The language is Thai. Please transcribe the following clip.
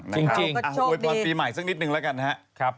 สวัสดีนะครับ